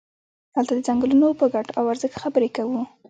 دلته د څنګلونو په ګټو او ارزښت خبرې کوو.